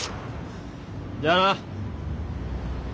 じゃあな。